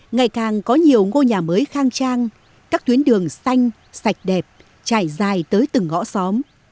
ngày càng có nhiều ngôi nhà mới khang trang các tuyến đường xanh sạch đẹp trải dài tới từng ngõ xóm